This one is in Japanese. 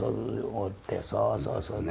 そうそうそう。